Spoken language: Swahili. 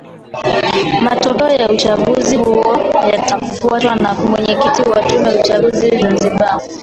Matokeo ya uchaguzi huo yakafutwa na mwenyekiti wa tume ya uchaguzi Zanzibar